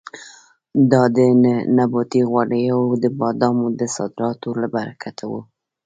دا د نباتي غوړیو او د بادامو د صادراتو له برکته وه.